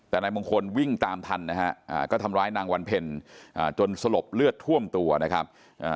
แต่นายมงคลวิ่งตามทันนะฮะก็ทำร้ายนางวันเพ็ญจนสลบเลือดท่วมตัวนะครับ